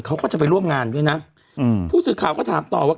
เขาก็จะไปร่วมงานด้วยนะอืมผู้สื่อข่าวก็ถามต่อว่า